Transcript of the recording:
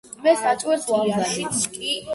მე საჭმელს ვამმზადებ